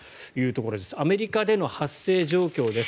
アメリカでの発生状況です。